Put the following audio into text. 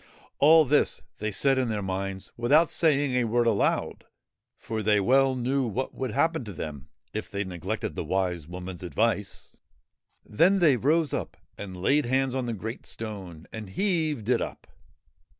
All this they said in their minds, without saying a word aloud, for they well knew what would happen to them if they neglected the Wise Woman's advice. Then they rose up and laid hands on the great stone and heaved it up.